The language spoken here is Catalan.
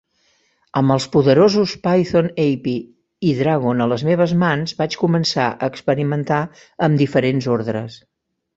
Amb els poderosos Python API i Dragon a les meves mans, vaig començar a experimentar amb diferents ordres.